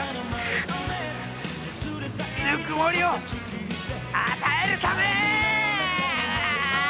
ぬくもりを与えるため！